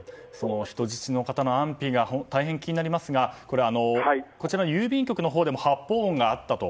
人質の方の安否が大変気になりますが郵便局のほうでも発砲音があったと。